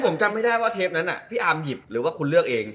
ผมจำไม่ได้ว่าเทปนั้นพี่อาร์มหยิบหรือว่าคุณเลือกเอง